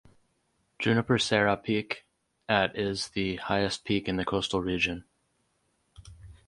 Junipero Serra Peak at is the highest peak in the coastal region.